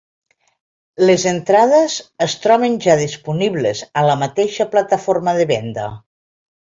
Les entrades es troben ja disponibles a la mateixa plataforma de venda.